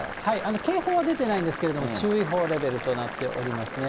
警報は出てないんですけれども、注意報レベルとなっておりますね。